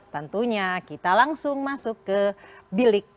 tentunya kita langsung masuk ke bilik